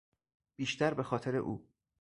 بیشتر بهخاطر او